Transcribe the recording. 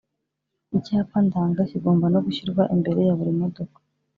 Icyapa ndanga kigomba no gushyirwa imbere ya buri modoka